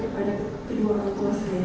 kepada kedua orang tua saya